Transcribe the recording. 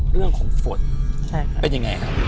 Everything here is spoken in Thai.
เรื่องของฝนเป็นยังไงครับ